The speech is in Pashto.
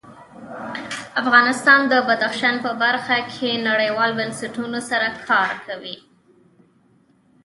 افغانستان د بدخشان په برخه کې نړیوالو بنسټونو سره کار کوي.